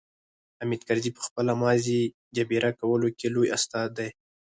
حامد کرزي په خپله ماضي جبيره کولو کې لوی استاد دی.